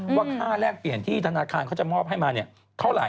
ว่าค่าแลกเปลี่ยนที่ธนาคารเขาจะมอบให้มาเนี่ยเท่าไหร่